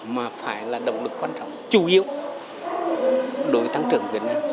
mà phải là động lực quan trọng chủ yếu đối với tăng trưởng việt nam